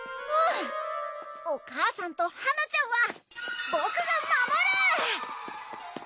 お母さんとはなちゃんは僕が守る！